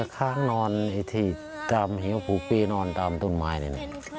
ค้างนอนที่ตามเหี้ยวผูปีนอนตามต้นไม้นี่